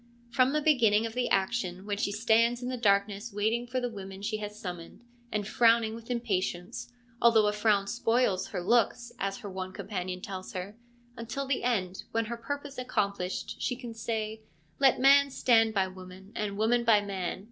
From the beginning of the action, when she stands in the darkness waiting for the women she has summoned, and frowning with impatience —' although a frown spoils her looks,' as her one companion tells her — until the end, when, her purpose accomplished, she can say, 1 Let man stand by woman and woman by man.